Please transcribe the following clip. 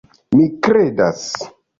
Mi kredas!